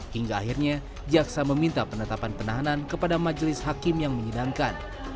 hingga akhirnya jaksa meminta penetapan penahanan kepada majelis hakim yang menyidangkan